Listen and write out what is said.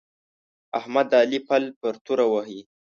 احمد د علي پل پر توره وهي.